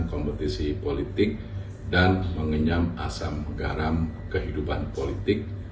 kompetisi politik dan mengenyam asam garam kehidupan politik